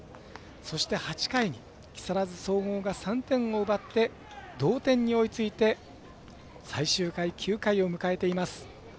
そして８回に木更津総合が３点を奪って、同点に追いついて最終回、９回を迎えています。